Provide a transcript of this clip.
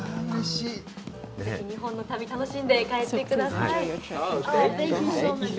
ぜひ日本の旅を楽しんで帰ってください。